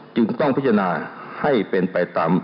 จึงต้องพิจารณาให้เป็นไปตาม